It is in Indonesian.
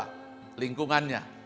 pemimpin tingkat dua lingkungannya